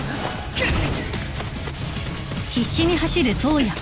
くっ。